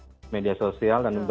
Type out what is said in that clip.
dan memperhatikan hal hal yang tersebut